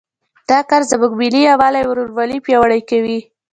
دا کار زموږ ملي یووالی او ورورولي پیاوړی کوي